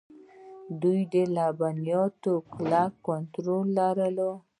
دوی د لبنیاتو کلک کنټرول لري.